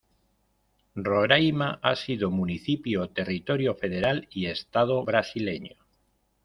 Roraima ha sido municipio, territorio federal y estado brasileño.